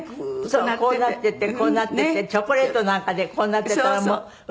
そうこうなっててこうなっててチョコレートなんかでこうなってたらもううれしい。